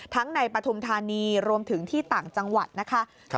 ในปฐุมธานีรวมถึงที่ต่างจังหวัดนะคะ